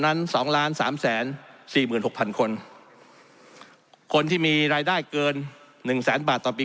สองล้านสามแสนสี่หมื่นหกพันคนคนที่มีรายได้เกินหนึ่งแสนบาทต่อปี